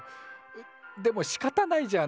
でもしかたないじゃん。